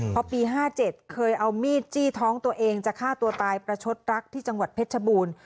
พอปี๕๗เคยเอามีดจี้ท้องตัวเองจะฆ่าตัวตายประชดรักที่จังหวัดเพชรชบูรณ์